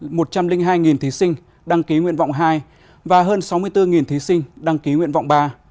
hơn một trăm linh hai thí sinh đăng ký nguyện vọng hai và hơn sáu mươi bốn thí sinh đăng ký nguyện vọng ba